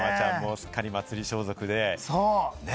すっかり祭り装束で。